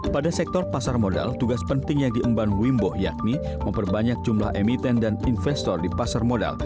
pada sektor pasar modal tugas penting yang diemban wimbo yakni memperbanyak jumlah emiten dan investor di pasar modal